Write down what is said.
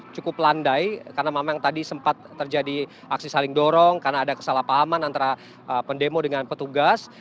cukup landai karena memang tadi sempat terjadi aksi saling dorong karena ada kesalahpahaman antara pendemo dengan petugas